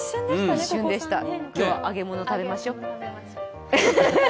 今日は揚げ物食べましょう。